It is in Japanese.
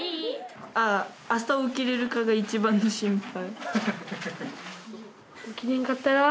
朝起きられるかが一番の心配。